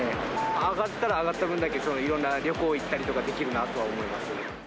上がったら上がった分だけ、いろんな旅行行ったりとか、できるなとは思います。